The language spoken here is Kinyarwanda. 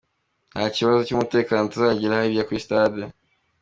Ntakibazo cy’umutekano tuzagira hariya kuri Stade”.